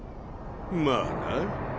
まあな。